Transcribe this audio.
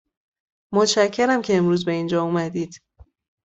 متشکرم که امروز به اینجا آمدید.